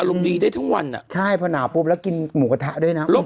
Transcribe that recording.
ลำปากไม่หนาวแล้ววันนี้ไว้ใอ้จีน